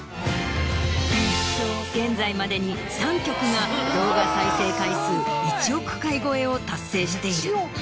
現在までに３曲が動画再生回数１億回超えを達成している。